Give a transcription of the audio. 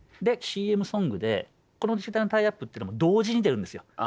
でＣＭソングでこの時代のタイアップっていうのも同時に出るんですよ。